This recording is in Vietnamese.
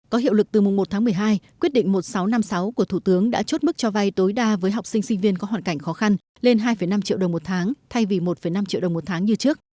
có hiệu lực từ mùng một tháng một mươi hai quyết định một nghìn sáu trăm năm mươi sáu của thủ tướng đã chốt mức cho vay tối đa với học sinh sinh viên có hoàn cảnh khó khăn lên hai năm triệu đồng một tháng thay vì một năm triệu đồng một tháng như trước